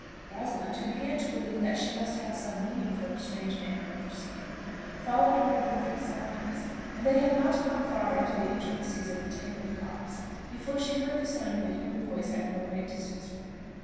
Rosalind, who began to believe that she must have some meaning for her strange manner of proceeding, followed her in perfect silence; and they had not gone far into the intricacies of the tangled copse, before she heard the sound of a human voice at no great distance from her.